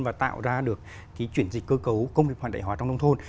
và tạo ra được chuyển dịch cơ cấu công nghiệp hoàn đại hóa trong nông thôn